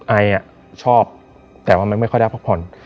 ไอชอบแต่ว่ามันไม่ค่อยได้พักผ่อน